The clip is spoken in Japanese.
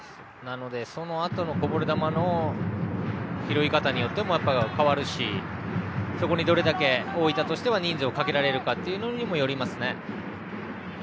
そのあとのこぼれ球の拾い方によってもやっぱり変わるしそこにどれだけ大分としては人数をかけられるかにもよりますね。